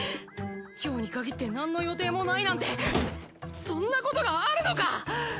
今日にかぎって何の予定もないなんてそんなことがあるのか！